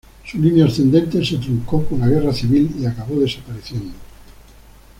Su línea ascendente se truncó con la Guerra Civil, y acabó desapareciendo.